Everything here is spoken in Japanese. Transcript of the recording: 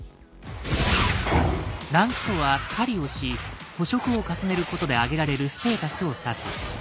「ランク」とは狩りをし捕食を重ねることで上げられるステータスを指す。